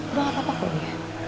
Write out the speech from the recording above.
udah gak apa apa kok ya